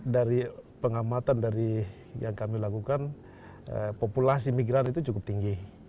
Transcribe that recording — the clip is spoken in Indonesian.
dari pengamatan dari yang kami lakukan populasi migran itu cukup tinggi